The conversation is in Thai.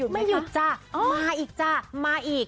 ไม่หยุดจ้ะมาอีกจ้ะมาอีก